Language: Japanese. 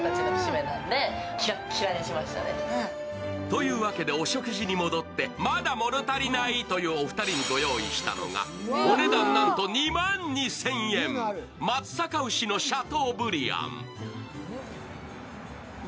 というわけでお食事に戻ってまだ物足りないというお二人にご用意したのがお値段なんと２万２０００円、松阪牛のシャトーブリアン。